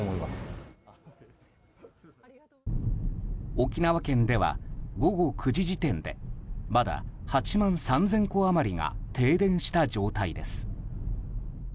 沖縄県では午後９時時点でまだ８万３０００戸余りが停電した状態です。